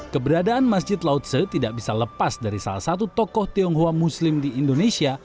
keberadaan masjid lautse tidak bisa lepas dari salah satu tokoh tionghoa muslim di indonesia